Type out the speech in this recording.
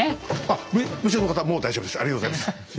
あっ武士の方もう大丈夫です。